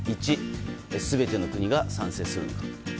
１、全ての国が賛成するのか。